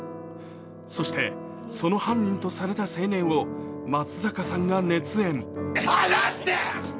そして、その犯人とされた青年を松坂さんが熱演。